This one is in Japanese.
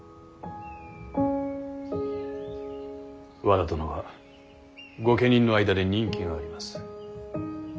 和田殿は御家人の間で人気があります。